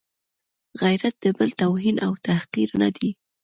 غیرت د بل توهین او تحقیر نه دی.